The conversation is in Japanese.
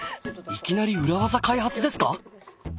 いきなり裏技開発ですか。